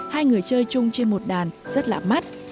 hai người chơi chung trên một đàn rất lạ mắt